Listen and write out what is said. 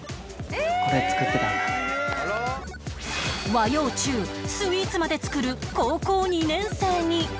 和洋中スイーツまで作る高校２年生に